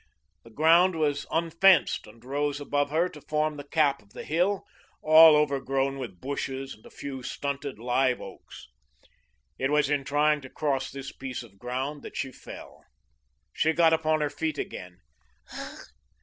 The ground was unfenced and rose above her to form the cap of the hill, all overgrown with bushes and a few stunted live oaks. It was in trying to cross this piece of ground that she fell. She got upon her feet again.